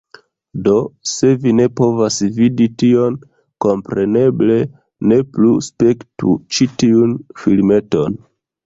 Do, se vi ne povas vidi tion, kompreneble, ne plu spektu ĉi tiun filmeton.